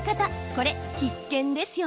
これ、必見ですよ。